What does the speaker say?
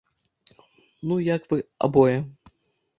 Ну як вы абое?